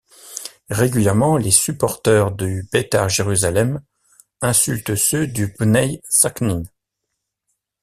Régulièrement, les supporteurs du Betar Jerusalem insultent ceux du Bnei Sakhnin.